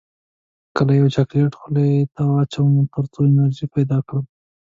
کله یو چاکلیټ خولې ته واچوم تر څو انرژي پیدا کړم